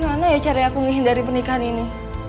gimana ya cara aku menghindari pernikahan ini